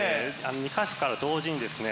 ２か所から同時にですね